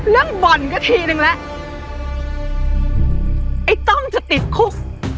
เรื่องบ่นก็ทีนึงแล้วไอ้ต้มจะติดคุก